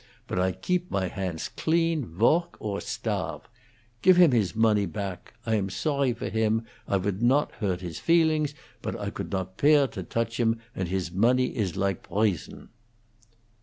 But I geep my handts glean, voark or sdarfe. Gif him hiss mawney pack! I am sawry for him; I would not hoart hiss feelings, boat I could not pear to douch him, and hiss mawney iss like boison!"